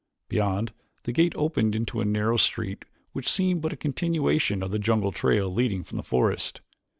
Beyond, the gate opened into a narrow street which seemed but a continuation of the jungle trail leading from the forest.